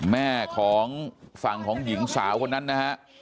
แม่ของฝั่งของหญิงสาวคนนั้นนะฮะ